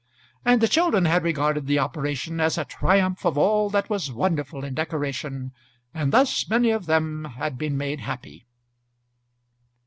And the children had regarded the operation as a triumph of all that was wonderful in decoration; and thus many of them had been made happy.